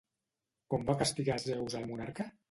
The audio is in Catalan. Com va castigar Zeus al monarca?